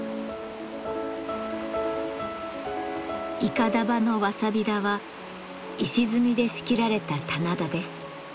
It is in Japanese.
筏場のわさび田は石積みで仕切られた棚田です。